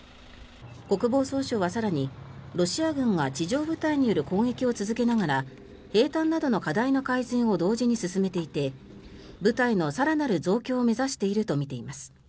国防総省は更に、ロシア軍が地上部隊による攻撃を続けながら兵たんなどの課題の改善を同時に進めていて部隊の更なる増強を目指しているとみています。